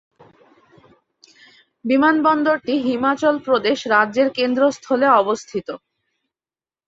বিমানবন্দরটি হিমাচল প্রদেশ রাজ্যের কেন্দ্রস্থলে অবস্থিত।